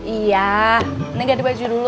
iya ini ganti baju dulu